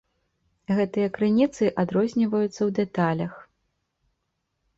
Гэтыя крыніцы адрозніваюцца ў дэталях.